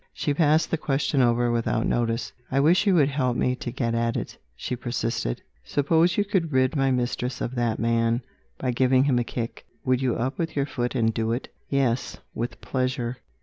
She passed the question over without notice. "I wish you would help me to get at it," she persisted. "Suppose you could rid my mistress of that man by giving him a kick, would you up with your foot and do it?" "Yes with pleasure."